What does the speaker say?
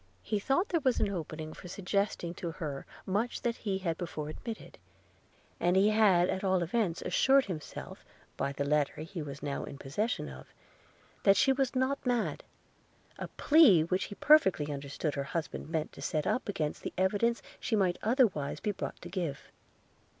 He thought there was an opening for suggesting to her much that he had before omitted, and he had at all events assured himself by the letter he was now in possession of, that she was not mad; a plea which he perfectly understood her husband meant to set up against the evidence she might otherwise be brought to give.